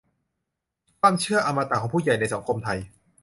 ความเชื่ออมตะของผู้ใหญ่ในสังคมไทย